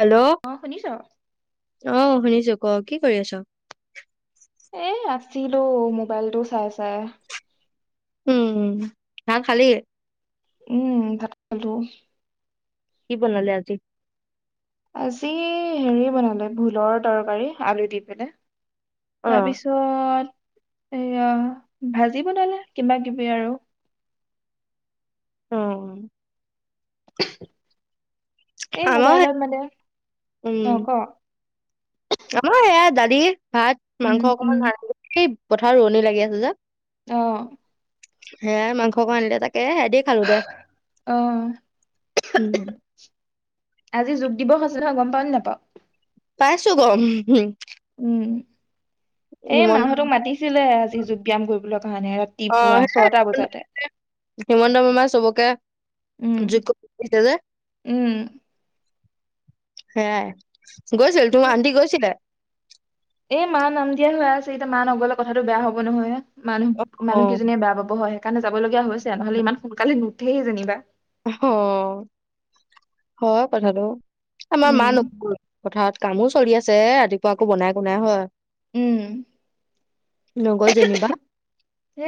Hello অ' শুনিছ? অ' শুনিছো ক, কি কৰি আছ? আছিলো‌ মোবাইলটো চাই চাই। উম, ভাত খালি? উম ভাত খালো। কি বনালি আজি? আজি হেৰি বনালো, ভোলৰ তৰকাৰী আলু দি পিনে। অ তাৰপিছত এয়াই, ভাজি বনালে কিবা কিবি আৰু। অ'। [inaudible] এই আমাৰ মোবাইলত মানে উম অ ক আমাৰো এইয়াই, দালি [inaudible] ভাত, ‌ উম মাংস উম অকমান ভা পথাৰত ৰোৱণী লাগি আছে যে। আহ। সেয়াই মাংস অকন আনিলে তাক কে হেদি খালো দে অ হম। দিবস আছিল ন গম পাও নে নোপাওঁ? পাইছো গম। উম এই হিমন্ত মাহঁতক মাতিছিলে আজি যোগ, ব্যায়াম কৰিবলৈ কাৰণে অ ৰাতিপুৱা সেয়াই ছটা বজাতে হিমন্ত মামাই চবকে যোগ উম কৰি দিছে যে উম। সেয়াই। গৈছিল তোৰ আন্টি গৈছিলে? এই মা নাম দিয়াই হৈ আছে এতিয়া মা নগলে কথাটো বেয়া হব নহয়। মানুহ অ মানুহকেইজীয়ে বেয়া পাব হয় সেইকাৰণে যাবলগীয়া হৈছে নহলে ইমান সোনকালে ন সেই যেনিবা অ' হয় কথাটো। আমাৰ মা উম নব পথাৰত কামো চলি আছে। আছে ৰাতিপুৱা আকৌ বনাই একো নাই হয় উম। নগল যেনিবা।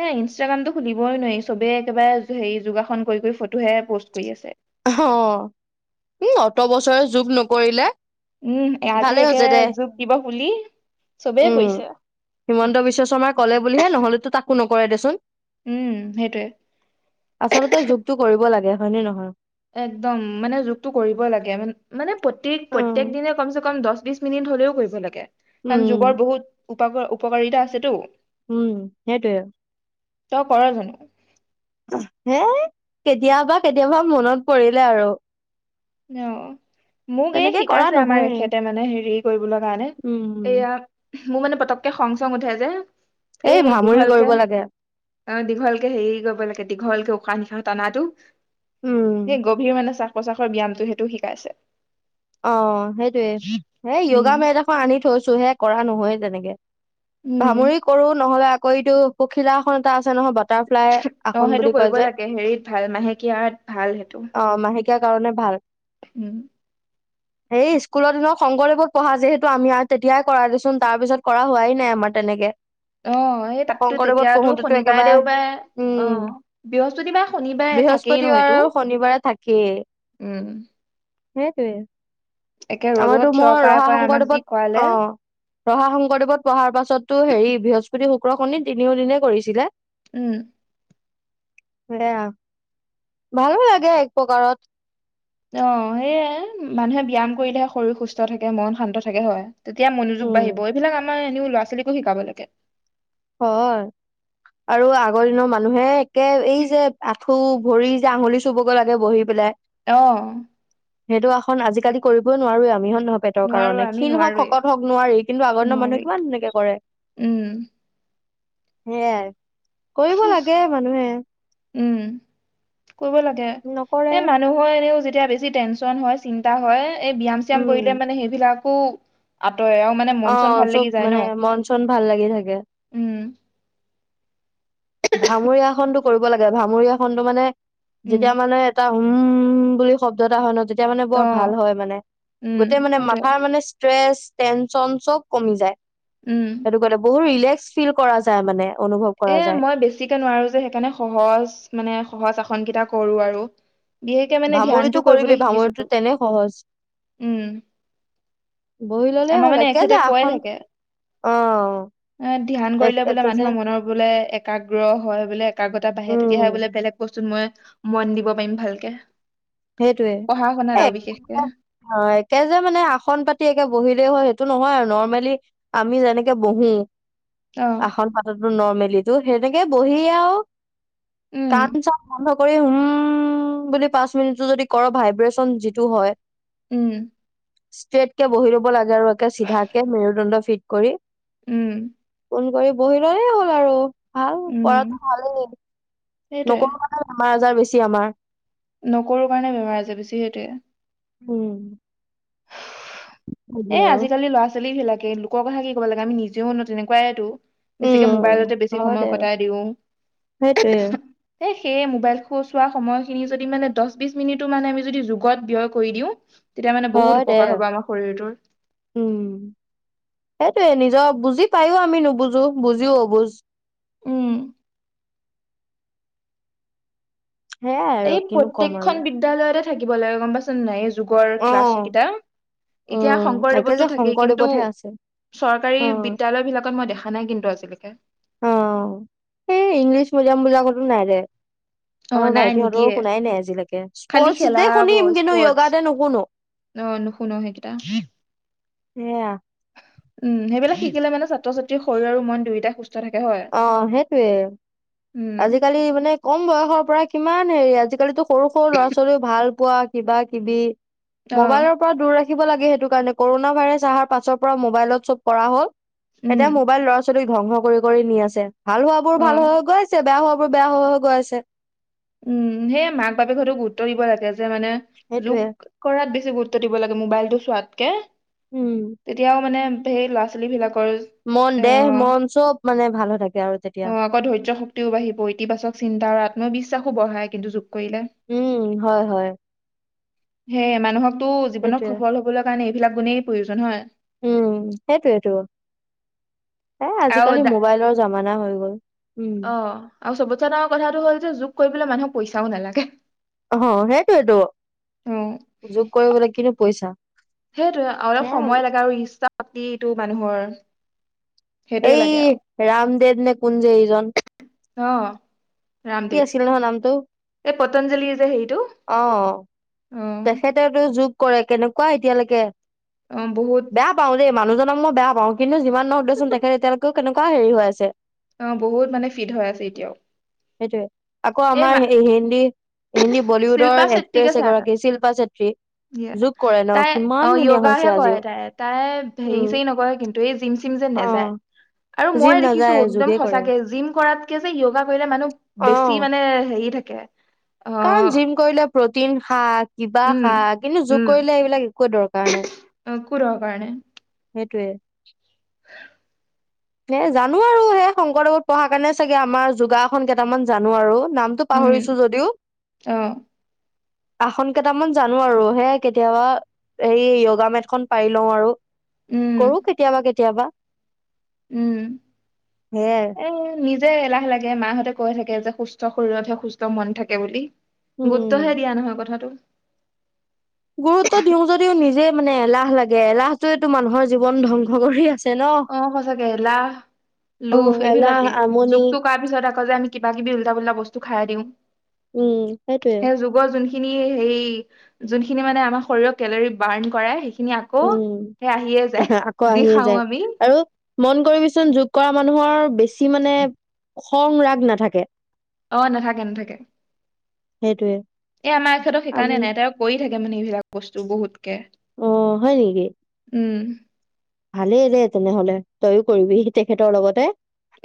এই ইনষ্টাগ্ৰামতটো খুলিবই নোৱাৰি চবে একেবাৰে হেৰি যোগাসন কৰি কৰি ফটোহে পষ্ট কৰি আছে। অ উম অত বছৰে যোগ নকৰিলে উম আজি ভালে একে হৈছে দে যোগ দিৱস বুলি চবেই উম কইছে হিমন্ত বিশ্ব শৰ্মাই কলে বুলিহে নহলেতো তাকো নকৰে দেচোন উম সেইটোৱে আচলতে যুগটো কৰিব লাগে হয়নে নহয় একদম মানে যুগটো কৰিব লাগে মানে প্ৰ অ প্ৰত্যেক দিনে কমচ কম দহ বিশ মিনিট হ'লেও কৰিব লাগে উম কাৰণ যুগৰ বহুত উপ উপকাৰিতা আছেতো উম সেইটোৱে আৰু তই কৰ জানো হেই কেতিয়াবা কেতিয়াবা মনত পৰিলে আৰু আহ মোক এই তেনেকে কৰা শিকাইছে আমাৰ নহয়ে এখেতে মানে হেৰি কৰিবলৈ কাৰণে উম এইয়া মোৰ মানে পটককে খং চং উঠে যে এই ভামুৰি দীঘলকে কৰিব লাগে অ দীঘলকে হেৰি কৰিব লাগে দীঘলকে উশাহ নিশাহ টানাটো উম সেই গভীৰ মানে চা ব্যায়ামটো সেইটো শিকাইছে অ সেইটোয়ে হেই য়োগা উম মেট এখন আনি থৈছো চহে কৰা নহয় যেনেকে উম ভামুৰি কৰো নহলে সইটো পখিলা আসন এটা আছে নহয় বাট অ সেইটো কৰিব লাগে হেৰিত ভাল মাহেকীয়াত ভাল সেইটো কিয়াৰ কাৰণে ভাল উম সেই স্কুলৰ দিনৰ শংকৰদেৱত পঢ়া যিহেতু আমি আৰু তেতিয়াই কৰা দেচোন তাৰ পিছত কৰা হোৱাই নাই আমাৰ তেনেকে আহ সেই তাততো শংকৰদেৱত তেতিয়াতো পঢ়োতেতো শনিবাৰে একেবাৰে দেওবাৰে আহ উম বৃহস্পতিবাৰ শনিবাৰে থাকেই ন বৃহস্পতিবাৰ এইটো আৰু শনিবাৰে উম উ উ একে ৰ'দত থিয় কৰা কৰাই আমাক যি কৰালে অ ৰহা শংকৰদেৱত পঢ়াৰ পাছত পিছতো হেৰি বৃহস্পতি শুক্ৰ শনি তিনিও দিনে কৰিছিলে উম সেয়া ভালো লাগে এক প্ৰকাৰত অ সেয়াই মানুহে ব্যায়াম কৰিলেহে শৰীৰ সুস্থ থাকে মন শান্ত থাকে হয় তেতিয়া মনোযোগ উম বাঢ়িব এইবিলাক আমাৰ এনে ল'ৰা ছোৱালীকো শিকাব লাগে হয় আৰু আগৰ দিনৰ মানুহে এই যে আ খ ভৰি যে আঙুলি চুবগৈ লাগে বহি পেলাই আহ সেইটো এখন আজিকালি কৰিবই নোৱাৰোৱে আমিহ নহয় পেটৰ নোৱাৰো কাৰণ আমি ক্ষণওঁক নোৱাৰোৱেই শকত হওক নোৱাৰি কিন্তু আগৰ দিনৰ নোৱাৰি মানুহে কিমান এনেকে কৰে উম সে কৰিব লাগে মানুহে উম কৰিব লাগে নকৰে এ মানুহৰ এনেও এতিয়া বেছি টেনচন হয় চিন্তা হয় এই ব্যায়াম চ্যায়াম কৰিলে উম মানে সেইবিলাক ক আ অ চব মানে মন চন ভাল লাগি থাকে উম ভামৰিয়া খনতটো কৰিব লাগে ভামৰিয়া খনতটো মানে উম যেতিয়া মানে এটা উম বুলি শব্দ এটা হয় ন তেয়া এতিয়া মানে অ বৰ ভাল হয় মানে উম গোতেেই মানে সেইটোৱে মাথাৰ মানে ষ্ট্ৰেছ টেনচন চব কমি যায় উম সেইটো ক বহুত ৰিলেখ ফিল কৰা যায় মানে অনুভৱ কৰা যায় সতিিকে নোৱাৰো যে সেইকাৰণে সহজ মানে সহজ আসন কেইটা কৰো আৰু বিশেষকে মানে ধ্যানটো ভামুৰিটো কৰিবি কৰিবলৈ শিকিছো ভামুৰিটো তেনে সহজ উম বহি ললেই আমাৰ হ'ল মানে একে যে এখেতে কয় আসন থাকে অ ধ্যান এক কৰিলে বোলে একে যে মানুহৰ মনৰ বোলে একাগ্ৰ হয় বোলে একাগ্ৰতা বাঢ়ে তেতিয়াহে উম বোলে বেলেগ বস্তুত মই মন দিব পাৰিম ভালকে সেইটয়ে পঢ়া শুনাত আৰু বিশেষকে একে যে মানে আসন পাতি একে বহি হয় সেইটো নহয় আৰু নৰ্মেলি আমি যেনেকে বহো অ আসন পাতত নৰ্মেলিো সেনেকে বহিয় আৰু উম কাম চ ভ কৰি হুম বুলি পাছ [unintelligible] যদি ভাইব্ৰেচন যিটো হয় উম। ষ্ট্ৰেইট কে বহি লব লাগে আৰু একে চিধাকে মেৰুদণ্ড ফিট কৰি। উম। ফোন কৰি বহি ল'লে হ'ল আৰু। ভাল উম পঢ়াটো ভালেই সেইটোয়ে নকৰো কথা [unintelligible] বেমাৰ আজাৰ বেছি আমাৰ নকৰো কাৰণে বেমাৰ আজাৰ বেছি সেইটোৱে। উম। হেৰি এ আৰু আজিকালি ল'ৰা ছোৱালী বিলাক লোকৰ কথা কি ক'ব লাগে আমি নিজেও নো তেনেকুৱাইটো। উম হয় বাৰু সেইটোৱে। সেই মোবাইল চোৱা সময়খিনি যদি মানে দচ বিচ মিনিটো আমি যোগত বয় কৰি দিও তেতিয়া মানে হয় বহুত দে উপকাৰ হব আমাৰ শৰীৰটোৰ। উম সেইটয়ে নিজৰ বুজি পাইও আমি নুবুজো, বুজিও অবুজ। উম। সেয়াই আৰু এই কিনো ক'ম আৰু প্ৰত্যেকখন বিদ্যালয়ৰ থাকিব লাগে গম পাইচ নে নাই। যুগৰ অ ক্লাছ কিতাপ এতিয়া উম তাকে যে শংকৰদেৱতো থাকেই কিন্তু শংকৰদেৱতহে আছে অ চৰকাৰী বিদ্যালয় বিলাকত মই দেখা নাই কিন্তু আজি। [inaudible] অ' এই ইংলিছ মিডিয়াম বিলাকতো নাই দেই। অ' আমাৰ নাই ভাইটিহঁতৰো নিদিয়ে শুনাই নাই আজিলৈকে, খালি স্পৰ্টচ দে খেলাব শুনিম কিন্তু স্পৰ্টচ য়োগা দে নুশুনো। অ' নুশুনো সেইকেইটা। সেয়া উম সেইবিলাক শিকিলে মানে ছাত্ৰ ছাত্ৰ শৰীৰ আৰু মই দুয়োটা সুস্থ থাকে হয়। অ' সেইটয়ে উম, আজিকালি মানে কম বয়সৰ পৰা কিমান আজিকালিটো সৰু সৰু ল'ৰা ছোৱালী ভাল কোৱা কিবা কিবি অ', মোবাইলৰ পৰা দূৰ ৰাখি থাকিব লাগে সেইটো কাৰণে কৰোণা ভাইৰাছ আহাৰ পাছৰ পৰা মোবাইলত চব কৰা হ'ল। উম, এতিয়া মোবাইল লচ [unintelligible] ধংস কৰি কৰি নি আছে। ভাল হোৱাবোৰ ভাল অ'। হৈ গৈছে, বেয়া হোৱা বোৰ বেয়া হৈ হৈ গৈ আছে। উম, সেয়ে মাক-বাপেহতেঁও গুৰুত্ব দিব লাগে। মানে যোগ সেইটোয়ে কৰাত বেছি গুৰুত্ব দিব লাগে মবাইলটো চোৱাতকে। উম তেতিয়াও মানে সেই ল'ৰা ছোৱালী বিলাক মন দেহ আহ মন চব মানে ভাল হৈ থাকে আৰু তেতিয়া আকৌ ধৈৰ্য্য শক্তিও বাঢ়িব, ইতিবাচক চিন্তা আৰু আত্মবিশ্বাস [unintelligible] বঢ়ায় কিন্তু উম হয় হয়। সেই মানুহক টো জীৱনত সেইটোয়ে সফল হ'বলৈ কাৰণে এ বিলাক গুনেই প্ৰয়োজন হয়। উম, সেইটোৱেইতো। এ আৰু আজিকালি দা মোবাইলৰ যাম মানা হৈ গ'ল। উম অ', আৰু চবতচে ডাঙৰ কথাটো হ'ল যে যোগ কৰিবলে মানুহক পইচাও নালাগে। অ', অ সেইটোৱেইতে যোগ কৰিবলৈ কিন্তু পইচা সেইটোয়ে অলপ সেইয়াই আৰু সময় লাগে ইচ্ছা শক্তিটো মানুহৰ সেইটোয়ে লাগে এই আৰু ৰামদেৱ নে কোন যে এইজন অ'। কি ৰামদেৱ। আছিল নহয় নামটো এই পতঞ্জলি যে হেৰিটো অ'। অ তেখেতেওটো যোগ কৰে, কেনেকুৱা এতিয়ালৈকে অ বহুত বেয়া পাও দেই মানুহজন মই বয়া পাওঁ কিন্তু যিমাননৰ উদ্দ্য তেখেত এতিয়ালৈও কেনেকুৱা হে হৈ আছে অ' বহুত মানে ফিট হৈ আছে এতিয়াও। সেইটোৱেই। আকৌ আমাৰ এই হেন্দি সখিনি শিল্পা বলিউডৰ চেট্টিকে এক্ট্ৰেছ চা তাত এগৰাকী শিল্পা চেত্ৰী যোগ কৰে ন তাই কিমান অ' ধুনীয়া হৈছে য়োগাহে আজিও কৰে তাই তাই হে উম চেৰি নকৰে কিন্তু এই [unintelligible] যে অ নাযায় আৰু মই জিম দেখিছো নাযায় এক্দম যোগে কৰে সঁচাকে জিম কৰাতকে যে য়োগা কৰিলে মানুহ বেছি মানে হেৰি থাকে [inaudible] কাৰন জিম কৰিলে প্ৰটিন খাত কিবা উম খা, কিন্তু যোগ উম কৰিলে এইেইবিলাক একো দৰকাৰ নাই। অ কোৰৰ কাৰণে হে [unintelligible] এ জানো আৰু সেই শংকৰদেৱত পঢ়াৰ কাৰণে চাগে আমাৰ যোগাসন কেইটামান জানো আৰু নামটো উম পাহৰিছো যদিও। অ আসন কেইটামান জানো আৰু, হে কেতিয়াবা এই য়োগা মেটখনন পাৰি লওঁ আৰু। উম ক'ৰো কেতিয়াবা, কেতি কেতিয়াবা উম, সেয়াই এ, নিজ যে, এলাহ লাগে মাহঁতে কৈ থাকে যে, সুস্থ শৰীৰতহে, সুস্থ মন থাকে বুলি। উম গুৰুত্বহে দিয়া নহয়, কথাটো। গুৰুত্ব দিওঁ যদিও নিজে মানে এলাহ লাগে, এলাহটোৱেটো মানুহৰ জীৱন ধ্বংস কৰি আছ অ', সঁচাকে এলাহ, লোভ ন এলাহ এইবিলাকে আমনি যোগটো কৰাৰ পিছত আকৌ কৌ, যে, আমি কিবা কিবি উল্টা পোলটা‌ বস্তু খাই দিওঁ। উম, সেইটোৱে। খিনি সেই হেয়ি যোনখিনি মানে আমাৰ শৰীৰৰ কেলৰি বাৰ্ণ কৰে খিনি আকৌ উম সেই আহিয়ে যায়, আকৌ যি, আহিয়ে খাওঁ যায় আমি আৰু মন কৰিবিচোন যোগ কৰা মানুহৰ বেছ বেছি মানে খং, ৰাগ নাথাকে। অ', নাথাকে, নাথাকে। সেইটোৱে। এ, আমাৰ‌ এখেতৰ সেইকাৰণে আমি নাই তেওঁ কৰি থাক [unintelligible] বস্তু বহুতকে, অ হয় নেকি উম। ভালেই দে, তেনেহ'লে তয়ো কৰিবি, তেখেতৰ লগতে।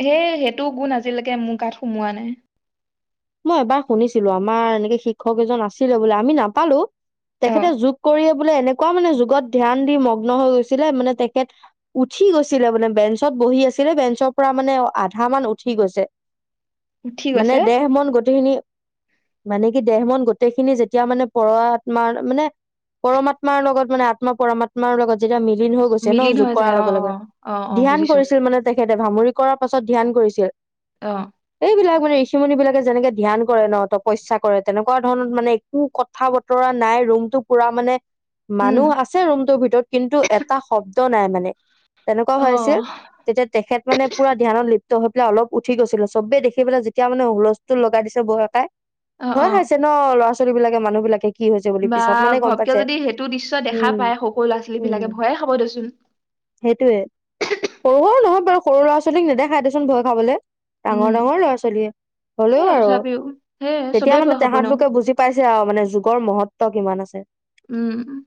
সেই, সেইটো গুণ আজিলৈকে মোৰ গাত সোমোৱা নাই। মই এবাৰ শুনিছিলোঁ, আমাৰ এনেকে শিক্ষক এজন আছিলে বোলে আমি নাপালোঁ। অ তেখেতে যোগ কৰি বোলে এনেকুৱা মানে যোগত ধ্যান দি মগ্ন হৈ গৈছিলে, মানে তেখেত উঠি গৈছিলে বোলে, বেঞ্চত বহি আছিলে বেঞ্চৰ পৰা মানে আধা মান উঠি গৈছে। উঠি গৈছে? খিন মানে কি দেহ, মন গোটেইখিনি যেতিয়া মানে পৰ আত্মাৰ মানে পৰমাত্মাৰ লগত মানে আত্মা, পৰমাত্মাৰ লগত যেতিয়া মি [unintelligible] হৈ গৈছে ন? মিলিন যোগ হৈ কৰাৰ যায় অ লগে, লগে অ অ অ ধ্যান বুজিছো কৰিছিল মানে তে তেখেতে ভামুৰি কৰাৰ পাছত ধ্যান কৰিছিল। অঁ। বিলাক মান ঋচিুণ বিলাকে যেনেে [inaudible] ধ্যান কৰে ন তপস্যা কৰে তেনেকুৱা ধৰণত মানে একো কথা বতৰা নাই ৰুমতটো পুৰা মানে উম মানুহ আছে ৰুমটোৰ ভিতৰত কিন্তু এটা শব্দ নাই মানে। তেনেকুৱা অ হৈ আছিল তেতিয়া তেখেত মানে পুৰা ধ্যানত লি হৈ পেলাই অলপ উঠি গৈছিলে, চবে দেখি পেলাই যেতিয়া মানে হল তুন লগাই দিছে বৌয়ে পায় অ [inaudible] ভয় অ খাইছে ন ল'ৰা ছো ছোৱালীবিলাকে মানুহবিলাকে বা ঘপকে যদি সেইটো দৃশ্য দেখা উম পায়। সৰু সৰু ল'ৰা ছোৱালী বিলাকে উম ভয়ে খাব দেচোন সেইটোয়ে সৰু সৰু নহয় বাৰু সৰু ল'ৰা ছোৱালীক নেদেখাই দেচোন ভয় খাবলৈ। ডাঙৰ উম ডাঙৰ ল'ৰা ছোৱালীয়ে হ'লেও সেয়ে আৰু তথাপিও সেয়ে তেতিয়া চবেই মানে ভয় খাব তেহাঁত ন লোকে বুজি পাইছে আৰু মানে যুগৰ মহত্ব কিমান আছে। উম, ওহ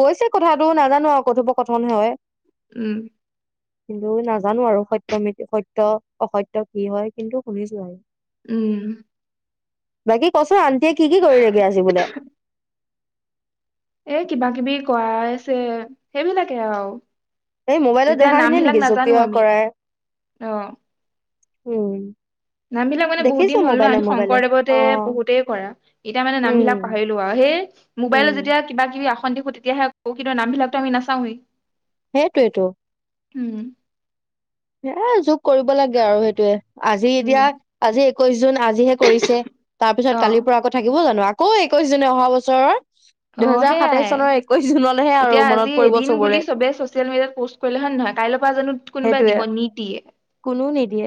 কৈছে কথাটো নাজানোঁ আৰু কথোপকথনে হয়। উম। কিন্তু নাজানোঁ আৰু সত্য মি সত্য অসত্য কি হয়। কিন্তু শুনিছোঁ আৰু উম। বাকী কচোন আন্টিয়ে কি কি কৰিলেগে আজি বোলে। এই কিবা কিবি কৰাই আছে। সেইবিলাকে আৰু এই মোবাইলত এতিয়া দেখা নাম খিনিয়ে বিলাক নেকি নাজানো জপিওৱা আমি কৰাই উম। নাম বিলাক মানে বহুত দেখিছো দিন হ'ল না। মোবাইলে আমি মোবাইলে শংকৰদেৱতে অ পঢ়োতেই কৰা। এতিয়া মানে নাম উম বিলাক পাহৰিলোঁ আৰু সেই উম মোবাইলত যেতিয়া কিবা কিবি অশান্তি হো থাকেহে প্ৰকৃত নাম বিলাকতো আমি নাচাৱেই। সেইটোৱেই টো উম এ যোগ কৰিব লাগে আৰু সেইটোয়ে আজি উম এতিয়া আজি কৈছো না আজিহে কৰিছে তাৰ পিছত অ কালিৰ পৰা আকৌ থাকিব জানো আ আকৌ একৈছ দিন অহা বছৰৰ অ দুহেজাৰ সাতাইশ সেয়াই চনৰ একৈশ জুনলৈহে আৰু এতিয়া মনত আজি পৰিব এদিন বুলি চবৰে চবে চচিয়েল মিডিয়াত পষ্ট কৰিলে হয়ে নহয় কাইলৈৰ পৰা জানো কোনোবাই সেইটোয়ে দিব নি কোনো নিদিয়ে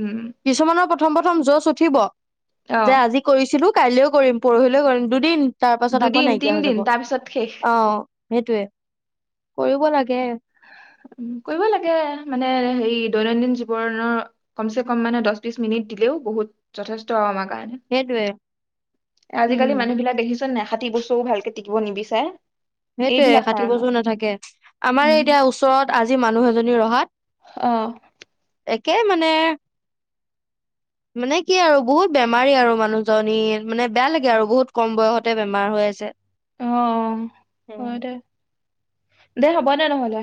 উম কিছুমানৰ প প্ৰথম প্ৰথম জচ উঠিব অ যে আজি কৰিছিলো কাইলৈও কৰিম পৰহিলেও কৰিম দুদিন তাৰ পাছত আকৌ দুদিন নাইকিয়া হৈ তিনদিন যাব অ তাৰপিছত শেষ সেইটোৱেই কৰিব লাগে উ কৰিব লাগে মানে হেৰি দৈনন্দিন জীৱনৰ কম চে কম মানে দহ বিশ মিনিট দিলেও বহুত যথেষ্ট আমাক সেইটোয়ে উম আজিকালি মানুহ বিলাক দেখিছ নাইষাি বস্তৰও ভালকে টিকিব নিবিচাৰে সেইটোয়ে এইবিলাক ষাঠি কাৰণত বছৰ নাথাকে আমাৰ উম এতিয়া ওচৰত আজি মানুহ এজনী ৰহাত আহ একে মানে মানে কি আৰু বহুত বেমাৰী আৰু মানুহজনী মানে বেয়া লাগে আৰু বহুত কম বয়সতে বেমাৰ হৈ আছে অ অ উম। দে দেহা বন ন মল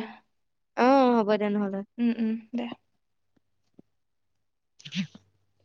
অ হ'ব দে নহ'লে। উম উম দে [unintelligible]